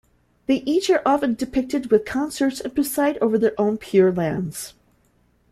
They each are often depicted with consorts, and preside over their own pure lands.